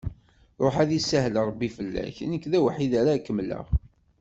Ruḥ ad isahel Ṛebbi fell-ak, nekk d awḥid ara kemmleγ.